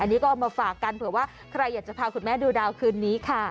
อันนี้ก็เอามาฝากกันเผื่อว่าใครอยากจะพาคุณแม่ดูดาวคืนนี้ค่ะ